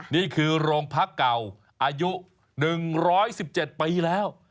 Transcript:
นี่คือโรงพักเก่าอายุ๑๑๗ปีแล้ว